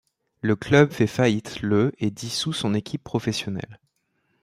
Le club fait faillite le et dissout son équipe professionnelle.